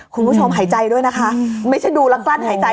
คุณผู้ชมหายใจด้วยนะคะไม่ใช่ดูแล้วกลั้นหายใจ